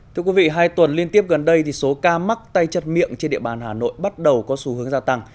thưa quý vị hai tuần liên tiếp gần đây thì số ca mắc tay chân miệng trên địa bàn hà nội bắt đầu có xu hướng gia tăng